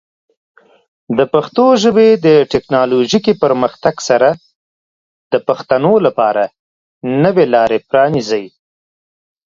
د پښتو ژبې د ټیکنالوجیکي پرمختګ سره، د پښتنو لپاره نوې لارې پرانیزي.